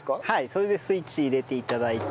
それでスイッチ入れて頂いて。